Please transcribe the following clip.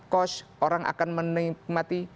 kos orang akan menikmati